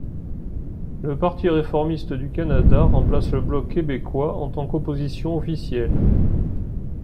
Le Parti réformiste du Canada remplace le Bloc québécois en tant qu'Opposition officielle.